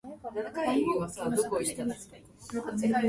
It built houses for its then mostly expatriate staff.